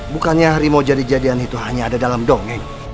bukannya harimau jadi jadian itu hanya ada dalam dongeng